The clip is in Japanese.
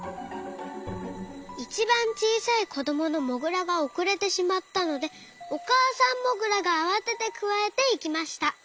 いちばんちいさいこどものモグラがおくれてしまったのでおかあさんモグラがあわててくわえていきました。